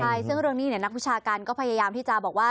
ใช่ซึ่งเรื่องนี้นักวิชาการก็พยายามที่จะบอกว่า